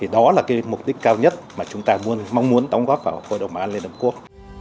đó là mục đích cao nhất mà chúng ta mong muốn đóng góp vào hội đồng bảo an liên hợp quốc